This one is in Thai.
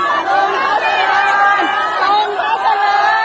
สงฆาตเจริญสงฆาตเจริญ